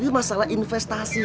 ini masalah investasi